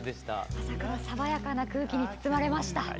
朝から爽やかな空気に包まれました。